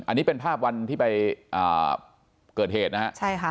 อันนี้เป็นภาพวันที่ไปเกิดเหตุนะฮะใช่ค่ะ